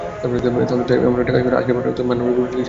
তাহলে তুই একটা কাজ কর আজকের পর থেকে মারামারি আর গুন্ডাগিরি ছেড়ে দে।